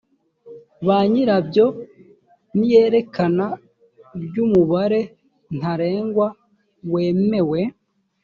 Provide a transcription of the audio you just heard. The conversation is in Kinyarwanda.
banyirabyo n’iyerekana ry’umubare ntarengwa wemewe